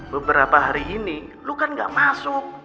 beberapa hari ini lu kan gak masuk